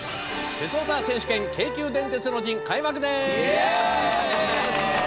「鉄オタ選手権京急電鉄の陣」開幕です。